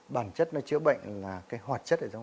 bản chất nó chữa bệnh là cái hoạt chất ở trong đó